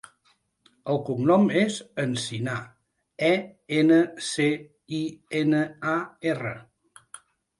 El cognom és Encinar: e, ena, ce, i, ena, a, erra.